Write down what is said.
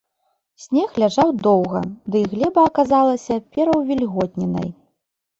Снег ляжаў доўга, дый глеба аказалася пераўвільготненай.